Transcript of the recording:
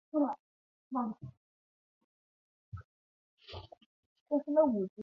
孟山都贿赂了大量的农业部官员让它可以进口有害的基因改造食品及种子。